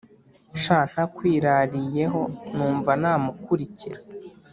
sha ntakwirariyeho numva namukurikira